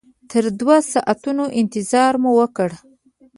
تر دوو ساعتونو انتظار مو وکړ.